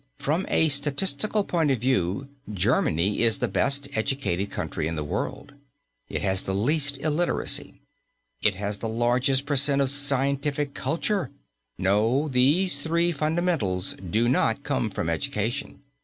From a statistical point of view Germany is the best educated country in the world. It has the least illiteracy. It has the largest percentage of scientific culture. No, these three fundamentals do not come from education.